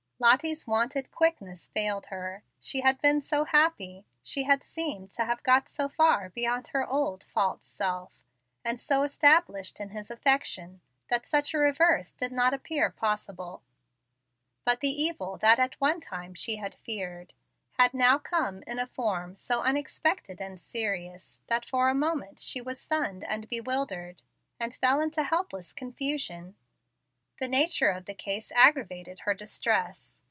Lottie's wonted quickness failed her. She had been so happy, she had seemed to have got so far beyond her old, false self, and so established in his affection, that such a reverse did not appear possible. But the evil that at one time she had feared had now come in a form so unexpected and serious that, for a moment, she was stunned and bewildered, and fell into helpless confusion. The nature of the case aggravated her distress.